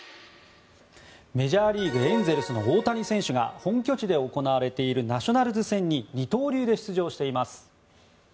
メジャーリーグエンゼルスの大谷選手が本拠地で行われているナショナルズ戦に二刀流で出場しています。